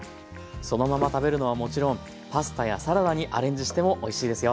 そのまま食べるのはもちろんパスタやサラダにアレンジしてもおいしいですよ。